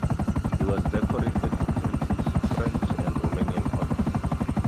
He was decorated with British, French and Romanian orders.